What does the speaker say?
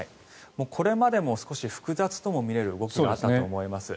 これまでも少し複雑とも取れる動きがあったと思います。